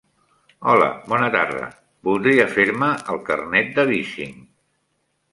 Hola bona tarda, voldria fer-me el carnet de bicing.